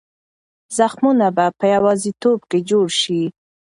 زخمونه به په یوازیتوب کې جوړ شي.